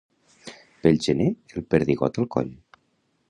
Pel gener, el perdigot al coll.